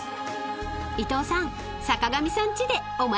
［伊藤さん］